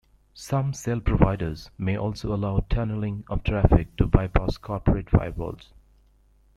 Some shell providers may also allow tunneling of traffic to bypass corporate firewalls.